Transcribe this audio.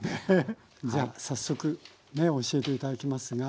じゃあ早速ね教えて頂きますが。